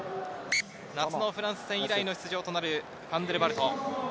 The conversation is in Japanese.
夏のフランス戦以来の出場となります、ファンデルヴァルト。